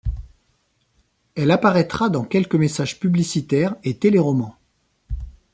Elle apparaîtra dans quelques messages publicitaires et téléromans.